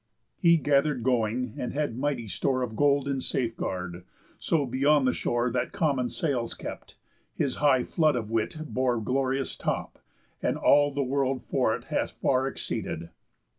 He gather'd going, and had mighty store Of gold in safeguard; so beyond the shore That common sails kept, his high flood of wit Bore glorious top, and all the world for it Hath far exceeded.